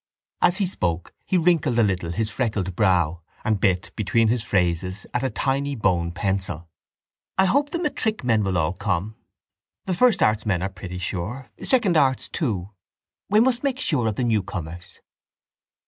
As he spoke he wrinkled a little his freckled brow and bit, between his phrases, at a tiny bone pencil. —I hope the matric men will all come. The first arts men are pretty sure. Second arts, too. We must make sure of the newcomers.